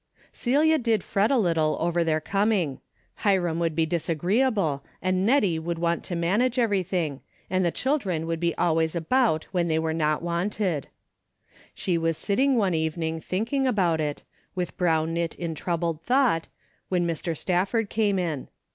Celia did fret a little over their coming. Hiram would be disagreeable and Nettie would want to manage everything, and the children would be always about when they were not wanted. DAILY RATE:^ 347 She was sitting one evening thinking about it, with brow knit in troubled thought, when Mr. Stafford came in.